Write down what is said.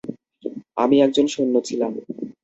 আমি একজন সৈন্য ছিলাম।